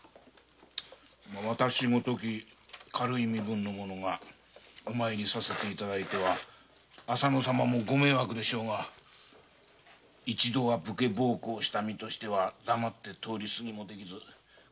私ごとき軽い身分の者がお参りさせて頂いては浅野様もご迷惑でしょうが一度は武家奉公をした身としては黙って通り過ぎもできず来る度拝ませて頂いております。